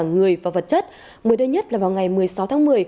người và vật chất mới đây nhất là vào ngày một mươi sáu tháng một mươi